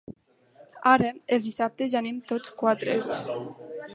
Ara, els dissabtes hi anem tots quatre.